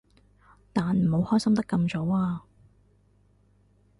但唔好開心得咁早啊